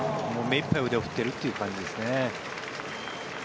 目いっぱい腕を振っているという感じですね。